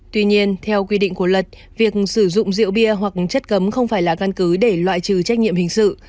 tuy nhiên theo quy định của luật việc sử dụng rượu bia hoặc chất cấm không phải là căn cứ để loại trừ trách nhiệm hình sự